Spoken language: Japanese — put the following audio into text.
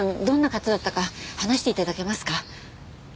どんな方だったか話して頂けますか？